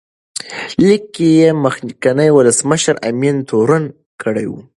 لیک کې یې مخکینی ولسمشر امین تورن کړی و.